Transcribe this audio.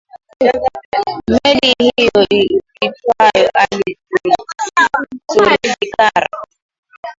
meli hiyo iitwayo ali zurfikar